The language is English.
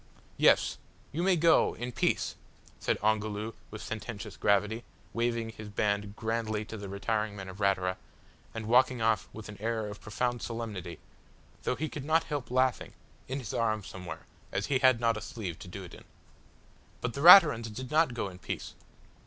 "Yes, you may go in peace!" said Ongoloo with sententious gravity, waving his band grandly to the retiring men of Ratura, and walking off with an air of profound solemnity, though he could not help laughing in his arm, somewhere, as he had not a sleeve to do it in. But the Raturans did not go in peace.